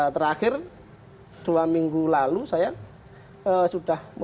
terakhir dua minggu lalu saya sudah